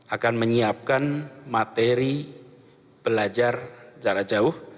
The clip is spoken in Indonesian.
akan menyiapkan materi belajar jarak jauh